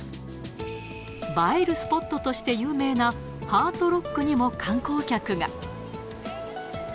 映えるスポットとして有名なハートロックにも観光客が。